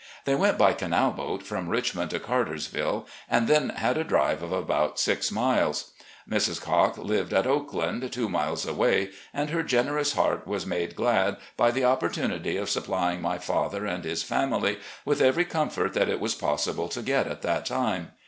They went by canal boat from Richmond to Cartersville, and then had a drive of about six miles. Mrs. Cocke lived at " Oakland," two miles away, and her generous heart was made glad by the opportunity of supplying my father and his family with every comfort that it was possible to get at that time.